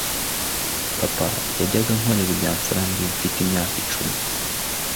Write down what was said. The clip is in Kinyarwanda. papa yajyaga ankorera ibya mfura mbi mfite imyaka icumi